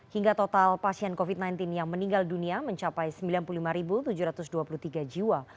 hingga total pasien covid sembilan belas yang meninggal dunia mencapai sembilan puluh lima tujuh ratus dua puluh tiga jiwa